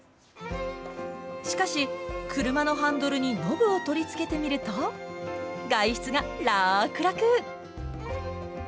しかし車のハンドルにのぶを取りつけてみると外出が楽々。